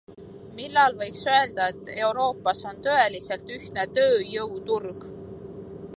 Millal võiks öelda, et Euroopas on tõeliselt ühtne tööjõuturg?